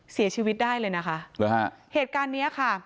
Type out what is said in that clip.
เสียชีวิตได้เลยนะคะเหตุการณ์นี้ค่ะ